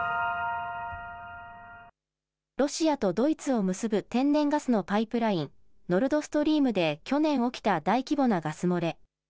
ロシアとドイツを結ぶ天然ガスのパイプライン、ノルドストリームで去年起きた大規模なガス漏れ。